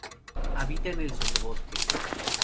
Habita en el sotobosque.